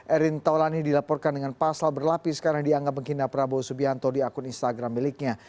erin taulani dilaporkan dengan pasal berlapis karena dianggap menghina prabowo subianto di akun instagram miliknya